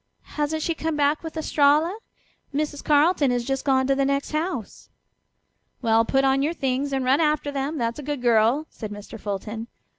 "Hasn't she come back with Estralla? Mrs. Carleton has just gone to the next house." "Well, put on your things and run after them, that's a good girl," said Mr. Fulton.